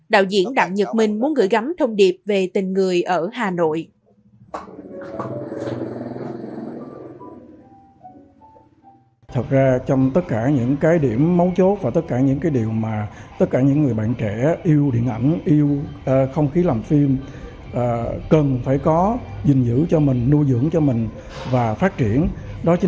đạo diễn đặng nhật minh muốn gửi gắm thông điệp về tình người ở hà nội